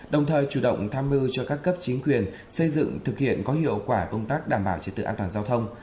đồng thời chủ động tham mưu cho các cấp chính quyền xây dựng thực hiện có hiệu quả công tác đảm bảo trật tự an toàn giao thông